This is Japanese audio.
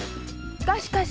がしかし！